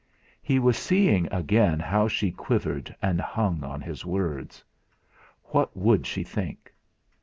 He was seeing again how she quivered and hung on his words. What would she think?